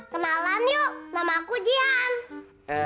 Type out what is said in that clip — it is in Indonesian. kenalan yuk nama aku gian